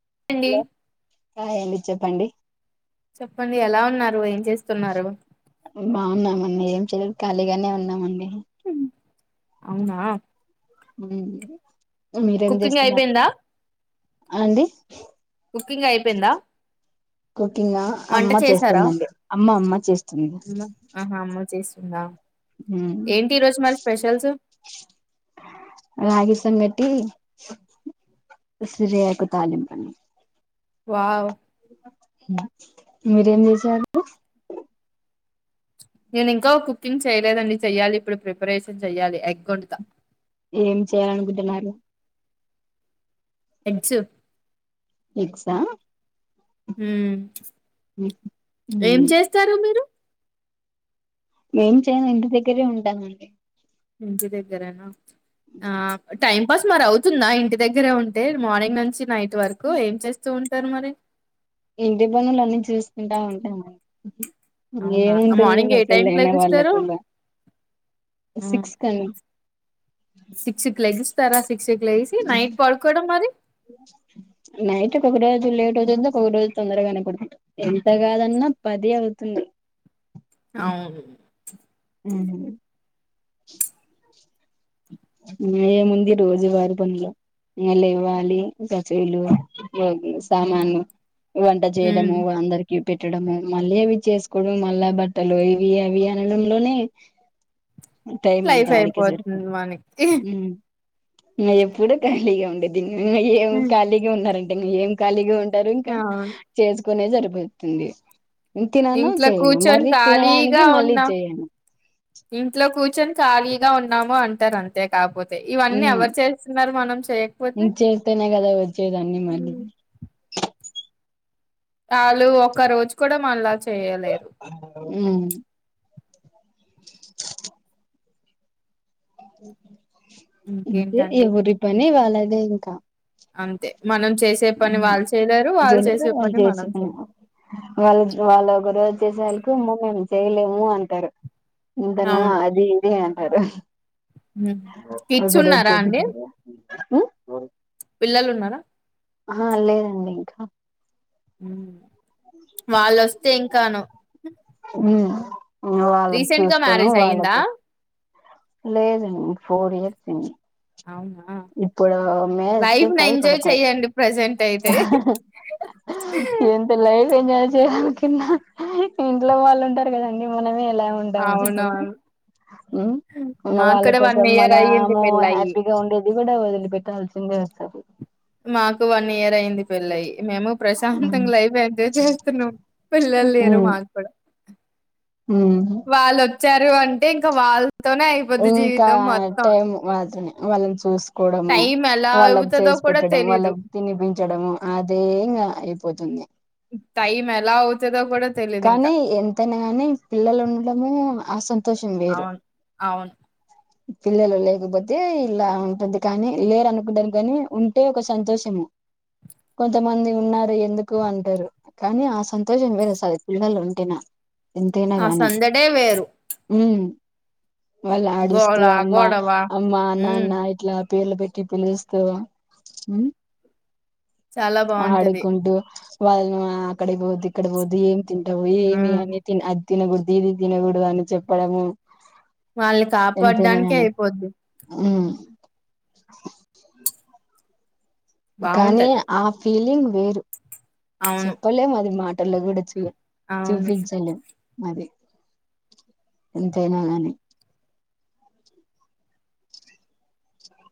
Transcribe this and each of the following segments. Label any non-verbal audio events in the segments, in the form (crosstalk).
ఏ అండి ఆ ఏంటి చెప్పండి చెప్పండి ఎలా ఉన్నారు అయి బాగున్నా మి ఖాళీగానే ఉన్నామండి అవునా ఉ మీరేం కుకింగ్ చేస్తున్నారు అయిపోయిందా అండి కుకింగ్ అయిపోయిందా కుకింగ్ మా వంట అమ్మ చేసారా చేస్తుందండి అమ్మ అమ్మ చేస్తుంది నా మ్ రాగి సమమెత రేకు తాలింపు అన్నమ వావ్ మీరేం చేసారు నేను ఇంకా కుకింగ్ చేయలేదండి చెయ్యాలి ఇప్పుడు ప్రిపరేషన్ చెయ్యాలి ఎగ్ వండుతా ఏం చేయాలనుకుంటున్నారు ఎగ్స్ ఎక్సా మ్ మ్ ఏం చేస్తారు మీరు మేం చేయాల ఇంటి దగ్గరే ఉంటానండి ఇంటి దగ్గరేనా ఆ టైమ్ బస్ మరి అవుతుందా ఇంటి దగ్గరే ఉంటే మార్నింగ్ నుంచి నైట్ ట్ వరకు ఏం చేస్తూ ఉ స మరి ఇంటి బనుల అన్నీ చూసుకుంటా ఉంటం అం అవునా ఏముంటుంది మార్నింగ్ మా ఏ టైం పెళ్ళ కి అయిన లెగుస్తారు వాళ్ళకు సిక్స్ కనీ తర సిక్స్ లేసి నైట్ పడుకోవడం మరి అంట ఒక రోజు లేట్ అవుతాది ఒకొ రోజు తొందరగానే పడుకుంటా ఎంత కాదన్నా పది అవుతుంది. అవును మ్ ఏముంది రోజువారి పనులు ఇళ ఇవ్వాలి రసలు సామాను వంట ఉమ్ చేయడము అందరికి పెట్టడంము మళ్ళీ అవి చేసుకోవడం మళ్ళా బట్టలు ఇవి అవి అనడంలోనే టైమ్ అంతా ఆడికే సరిపో అని ఎప్పుడ ఖాళీగా ఉండేదిన్ని ఏం హ్మ్. ఖాళీగా ఉన్నారం ఏం కాలిగా ఉం టారు ఇంకా అవును చే కొనే జరిపోతుంది ఇంట్లో కూర్చొని ఖాళీగా మళ్ళీ ఉన్నాం చేయను ఇంట్లో కూర్చొని ఖాళీగా ఉన్నాము అంటారు అంతే కాకపోతే అ ఇవన్నీ ఉమ్ ఎవరు చేస్తున్నారు మనం చేయకపోతే ఇంక చేస్తేనే కదా వచ్చేదన్ని మళ్ళీ ఆళ్ళు ఒకరోజు కూడా మళ్లాచ్చు చేయలేరు హ్మ్ అంతే ఇంకేంటండి ఎవరి పని వాళ్ళది అదే ఇంకా అంతే మనం చె జని వాళ్ళు పని మనం చేసుకు చేయలేం వాళ్ళు వాళ్ళ ఒకరోజు చేసేవాల్లకు అమ్మో మేము చేయలేము అంటారు ఇంతనా అవును అది ఇది అంటరు హ్మ్. కిడ్స్ ఒకరు ఉన్నారా వచ్చి అండి (unintelligible) (unintelligible) పిల్లలు ఉన్నారా అహా లేదండి ఇంకా హ్మ్ వాళ్ళొస్తే ఇంకాను హ్మ్ వాళ్ళకి రీసెంట్ గా చూసుకోనూ మ్యారేజ్ అయ్యిందా వాళ్ళకి లేదండి ఫోర్ ఇయర్స్ అయింది అవునా, ఇప్పుడు మేస్ లైఫ్ ని పై ఎంజాయ్ పడతాయి చెయ్యండి ప్రజెంట్ అయితే ఎంత లైట్ ఎంజాయ్ చేయాలి కిన్నా ఇంట్లో వాళ్ళు ఉంటారు కదండి మనమే ఎట్లా ఉంటాము చెప్పండి అవునవును హ్మ్ మాకు వాళ్ళ కూడా వన్ కోసం ఇయర్ అయ్యింది మనము పెళ్ళయి హ్యాపీగా ఉండే కూడా వదిలి పెట్టాల్సిందే వస్తది మాకు వన్ ఇయర్ అయింది పెళ్లయి మేము ఉమ్ ప్రశాంతంగా లైఫ్ ఎంజాయ్ చేస్తున్నాం పిల్లలు లేరు ఉమ్ మాక్కూడా ఉమ్. వాళ్ళొచ్చారు అంటే ఇంకా వాళ్ళతోనే అయిపోద్ది ఇంకా జీవితం మొత్తం టైం మాత్రమే వాళ్ళని చూసు కోడము టైం ఎలా వాళ్ళకి అవుతదో చేసి కూడా పెట్టడం తెలీదు వాళ్ళకి తినిపించడము అదే ఇంగ అయిపోతుంది టైం ఎలా అవుతదో కూడా తెలీదు ఇంకా కానీ ఎంతైనా గానీ పిల్లలు ఉండడమే ఆ సంతోషం వేరు అవును అవును పిల్లలు లేకపోతే ఇలా ఉంటుంది కానీ లేరునుకుంటనికి కాని ఉంటే ఒక సంతోషము కొంతమంది ఉన్నారు ఎందుకు అంటారు కానీ ఆ సంతోషం వేరు అసలు పిల్లలు ఉంటినా ఎంతైనా ఆ గానీ సందడే వేరు మ్మ్ వాళ్ళ ఆడిస్ గోళ అమ్మా గొడవ అమ్మా ఉమ్ నాన్న ఇట్లా పేర్లు పెట్టి పిలుస్తూ చాలా బాగుంటది ఆడుకుంటు వాళ్ల్ మీ అక్కడ కి పోతె ఇక్కడ పోతే ఏమి తింటవు ఏమి ఉమ్ అని తిను అది తినబుధ్ధి ఇది తినగూడదు అని చెప్పడము మాల్లిక ఎంతైనా కాపాడ్డానికి గాని అయిపోద్ది ఉమ్ కానీ బాగుంటది ఆ ఫీలింగ్ వేరు అవును చెప్పలేము అది మాట ల్లో కూడ అవును చూపించాలేం అది ఎంతైనా గానీ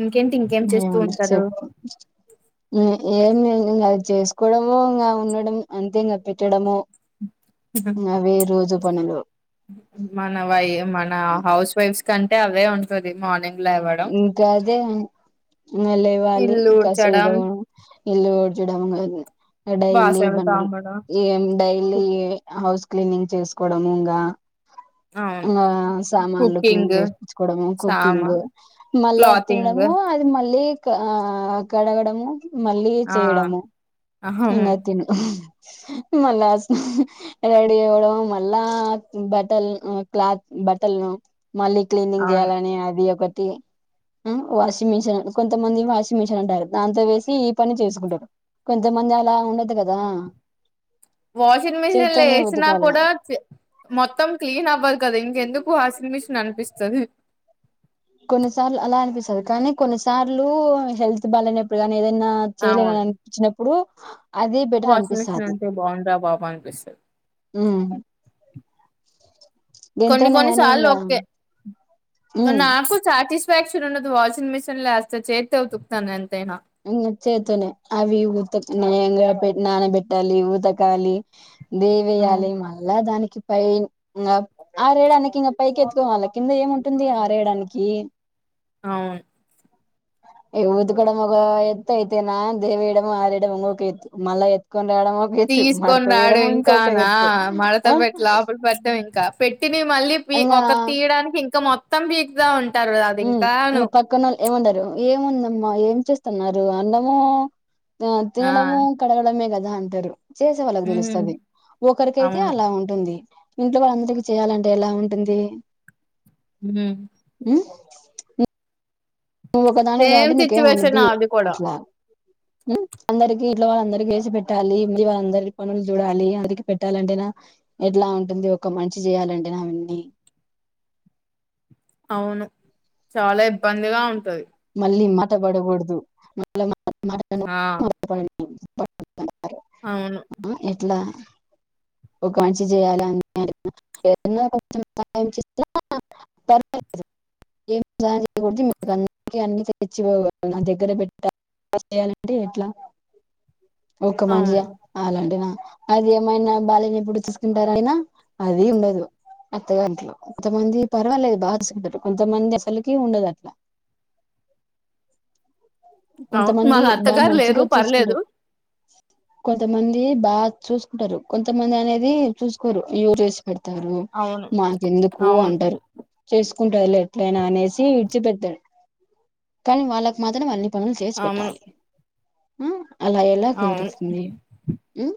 ఇంకేంటి ఇంకేం చేస్తూ ఉంటారు ఏమి లేదు ఇంకా అది చేసుకోవడము ఇంకా ఉండడం అంతే ఇంకా పెట్టడము అవే రోజు పనులు మన వై మన హౌస్ వైఫ్స్ కి కంటే అవే ఉంటుంది మార్నింగ్ లేవడం ఇంకా అదే ఇ లేవాలి ఇల్లు కసుం ఊడ్చడం దో ఇల్లు డ్చడం డైలీ బాసనలు పనులు తోమడం ఏం డైలీ కుక్ హౌస్ క్లీనింగ్ చేసుకోవడము ఇంకా అవును ఆఆ సామాన్లు క్లీన్ కుకింగ్ చేపిచ్చుకోవడము సామా కుకింగ్ మళ్ళా క్లాతింగ్ తినడము అది మళ్ళీ ఆ కడగడము మళ్ళీ ఆ చేయడము ఇంగ అవును అయితిను మళ్ళ రేడి అవ్వడం మళ్ళా బట్టల్ క్లాత్ బట్టల్ మళ్ళీ క్లీనింగ్ అవును చేయాలని అది ఒక వాషింగ్ మిషన్ కొంతమంది వాషింగ్ మిషిన్ అంటారు దాంతో వేసి ఈ పని చేసుకుంటారు కొ కోంత మంది అలా ఉండదు కదా వాషింగ్ మిషిన్ లో చేత్తోనే వేసినా ఉతకాల కూడా మొత్తం క్లీన్ అవ్వదు కదా ఇంకెందుకు ఆ వాషింగ్ మెషిన్ అనిపిస్తది కొన్నిసార్లు అలా అనిపిస్తది కానీ కొన్నిసార్లు హెల్త్ బాలెనప్పుడు కాని న ఏదైనా అవును చేయలేనని అనిపించినప్పుడు అది బెటర్ వాషింగ్ మెషన్ అనిపిస్తది అంటే బాగుండ్రా బాబు అనిపిస్తది కొన్ని ఎంతైనా కొన్ని గాని సార్లు ఇంగ ఓకే ఉమ్ నాకు చ సాటిస్ఫాక్షన్ ఉండదు వాషింగ్ మిసన్ లే యేస్తే చేత్తో ఉతుకుతాను ఎ చేత్తోనే అవి ఇవి ఉతక్ (inaudible) నానబెట్టాలి ఉతకాలి దేవెయ్యాలి అవును మళ్ళా దానికి పై ఇంగ ఆరేయడానికి ఇంక పైకి ఎత్తుకోవాల కింద ఏముంటుంది ఆరేయడానికి అవును ఏ ఉతకడం ఒక ఎత్తయితేనా దేవెయ్యడము ఆరెయ్యడము ఇంకొక ఎత్తు మల్ల ఎత్ తీసుకొని రావడం ఇంకానా ఎత్తు మడత ఆ పెట్టి లోపలి పెట్టాం ఇంకా ఇన్ని మళ్ళీ ఇంగా ఒక తీయడానికి ఇంకా మొత్తం మొత్తం పీకుతా ఉంట ఉమ్ ఇంగ పక్కనొళ్ళు ఏమంటరు ఏముందమ్మా ఏం చేస్త స్తున్నారు అన్నము ఆ తినడము కడగడమే కద అదే అంటరు చేసే వాళ్ళకి ఉమ్ తెలుస్తది ఒకరికైతే అవును అలా ఉంటుంది ఇంట్లో వాళ్ళ అందరికి చేయాలంటే ఎలా ఉంటుంది ఉమ్ ఉమ్ నువ్వు ఒకదానివి కాబట్టి సేమ్ సిచ్యువేషన్ నీకేమనిపి నాది కూడా అట్లా ఉమ్ అందరికి ఇంట్లో వాళ్ళందరికి చేసి పెట్టాలి మళ్లీ వాళ్ళందరి పనులు చూడాలి అందరికి పెట్టాలంటేనా ఎట్లా ఉంటుంది ఒక మనిషి చేయాలంటేనా అవన్నీ అవును చాలా ఇబ్బందిగా ఉంటది లి మాట పడకూడదు మళ్ళ ఆ (inaudible) (unintelligible) అవును ఉమ్ ఎట్లా ఒకాంచి చెయ్యాల (unintelligible) (inaudible) అన్ని తెచ్చిపోవాలి నా దగ్గర పెట్ట (inaudible) చేయాలంటే ఎట్లా ఒక్క అవును మనియా అలాంటి నా అది ఏమైనా బాలేనప్పుడు చూసుకుంటార అయినా అది ఉండదు అత్త గారింట్లో కొంతమంది పర్వాలేదు బాగా చూసుకుంటారు కొంతమంది అసలుకి ఉండదు అట్లా ఔ మా కొంతమంది బాగా అత్తగారు లేరు మంచిగా పర్లేదు చూసుకుంటారు కొంతమంది బా చూసుకుంటారు కొంతమంది అనేది చూసుకోరు యుర్ పెడతారు అవును మాకెందుకు అవును అంటరు చేసుకుంటారుళే ఎట్లయినా అనేసి విడిచిపెతారు కానీ వాళ్ళకు మాత్రమ్ అన్ని పనులు చేసి అవును పెట్టాలి ఉ అలా ఎలా అవును కుదురుతుంది. మ్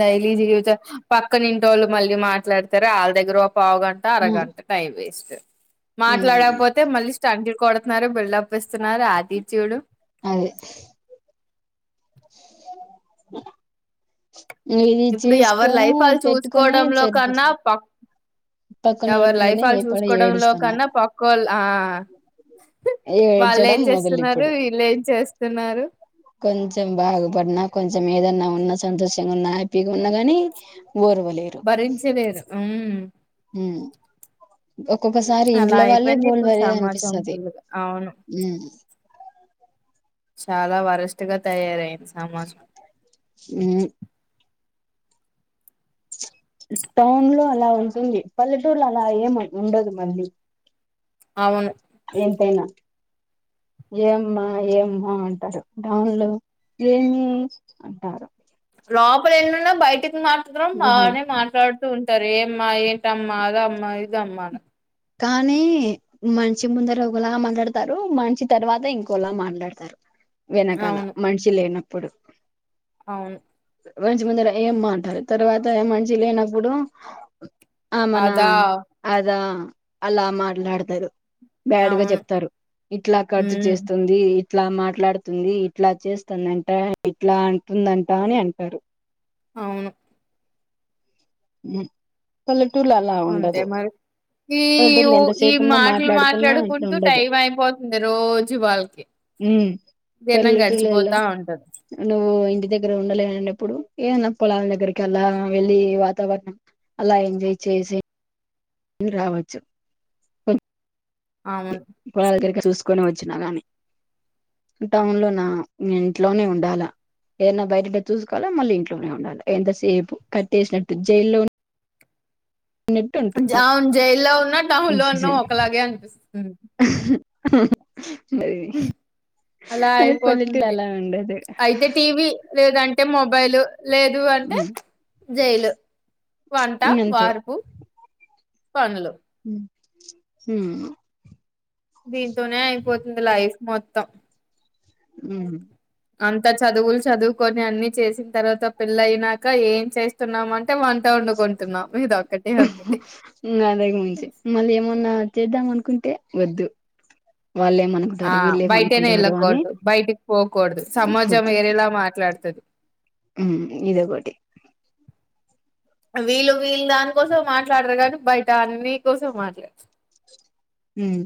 దైలీ జీవిత పక్క నింటోళ్ళు మళ్ళీ మాట్లాడతరు ఆళ్ళ దగ్గర పావు గంట ఆ, అరగంట టైం వేస్ట్ ఉమ్ మాట్లాడకపోతే మళ్ళీ స్టంగ్ కొడుతున్నారు బిల్డప్ చూపిస్తున్నారు. ఆటిట్యూడ్ అదే ఇది ఇప్పుడు ఎవరి చూసుకొని లైఫ్ ఆళ్ళు పెట్టుకొని చూసుకోవడంలో చెరిపో కన్నా ప పక్కనోడి ఎవరి లైఫ్ మీదనే పడి చూసుకోవడంలో కన్నా ఏడుస్తున్నారు పక్కోళ ఆ వాళ్ళు ఏం ఏడ్చడం మొదలు చేస్తున్నారు వీళ్ళు ఏం చేస్ స్తున్నారు. కొంచం బాగుపడినా కొంచం ఏదన్నా ఉన్నా సంతోషంగా ఉన్నా హ్యాపీగున్నా గనీ భరించలేరు ఉమ్ ఒక్కొక్కసారి అలా ఇంట్లో వాళ్ళే అయిపోయింది ఇప్పుడు ఓర్వలేర్ సమాజం అనిపిస్తది. ఫుల్లుగా అవును మ్ చాలా వరస్ట్గా తయారయింది సమాజం మ్ టౌన్లో అలా ఉంటుంది పల్లెటూర్లో అలా ఏం ఉండదు మళ్ళీ అవును ఎంతైనా ఏమ్మా ఏమ్మా అంటారు డౌన్లు ఏమీ అంటారు లోపల ఎన్నున్న బయట మాత్రం అవును బానే మాట్లాడుతూం అరే ఏ అమ్మా ఏంటమ్మ అదమ్మ ఇదమ్మా కానీ మనిషి ముందర ఒకలా మాట్లాడతారు మనిషి తర్వాత ఇంకోలా మాట్లాడతారు. వెనకాల అవును మనిషి లేన ప్పుడు అవును మనిషి ముందర ఏం మాట్లాడరు తర్వాత మనిషి లేనప్పుడు ఆమనా అదా అదా అలా మాట్లాడతరు బ్యాడ్గా అవును చెప్తారు ఇట్ల ఖర్చు హ్మ్ చేస్తుంది. ఇట్లా మాట్లాడుతుంది, ఇట్ల చేస్తుందంట, ఇట్లా అంటుందంట అని అంటరు అవును పల్లెటూర్లు అలా అంతే ఉండదు మరి ఈ పల్లెటూరులో ఉ ఈ ఎంతసేపు ఉన్నా మాటలు మాట్లాడుకున్నా ఇట్లా మాట్లాడుకుంటూ ఉండదు టైం అయిపోతుంది రోజు వాళ్ళకి ఉమ్ దిన్నం పల్లెటూర్లలో గడిచిపోతా ఉంటది ఇప్పుడు ఏమన్న పొలాల దగ్గరికి అలా వెళ్ళి అలా ఎంజాయ్ చేసి ఇది రావచ్చు కొ అవును పోలాల దగ్గర చూసు కొని వచ్చిన గాని టౌన్లోన ఇగ ఇంట్లో నే ఉండాలా ఏదైనా బయటకి వచ్చి చూసుకోవలా మల్ల ఇంట్లో కె ఉండాలా అంతసేపు కట్టేసినట్టు జైల్లో ఉన్నట్టు ఉంటుంది జాన్ జైలు లో ఉన్నా టౌన్ లో ఉన్నా ఒకలాగే అనిపిస్తుంది అలా అది పల్లెటూరు అయిపోతుంది అలా ఉండదు అయితే టీవీ లేదంటే టే మొబైల్ లేదు అంటే జైలు వంట అంతే వార్పు పనిలో ఉమ్ దీంతోనే అయిపోతుంది లైఫ్ మొత్తం ఉ అంత చదువులు చదువుకొని అన్ని చేసిన తర్వాత పెళ్ళ అయినాక ఏం చేస్తున్నామంట ఉంది అంతకు మంచి మళ్ళీ ఏమన్నా చేద్దాం అనుకుంటే వద్దు వాళ్ళు ఆ ఏమనుకుంటారు వీళ్ళు బయటనే ఏమనుకుంటారు అని వెళ్ళకూడదు బయటికి పోకూడదు సమాజం వేరేలా మాట్లాడుతది ఉమ్ ఇదొకటి వీళ్ళు వీళ్ళు దానికోసం మాట్లాడరు కానీ బయట అన్ని కోసం మాట్లాడచ్చు ఉమ్